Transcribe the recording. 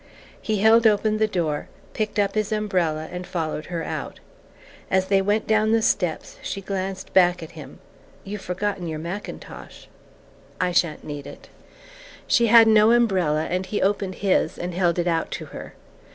He held open the door, picked up his umbrella and followed her out. As they went down the steps she glanced back at him. "You've forgotten your mackintosh." "I sha'n't need it." She had no umbrella, and he opened his and held it out to her.